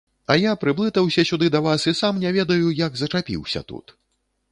А я прыблытаўся сюды да вас і сам не ведаю, як зачапіўся тут.